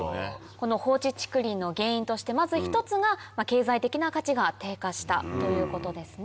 この放置竹林の原因としてまず一つが「経済的な価値が低下した」ということですね。